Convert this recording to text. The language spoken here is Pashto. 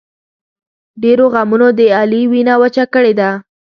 ډېرو غمونو د علي وینه وچه کړې ده.